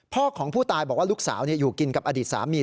ของผู้ตายบอกว่าลูกสาวอยู่กินกับอดีตสามี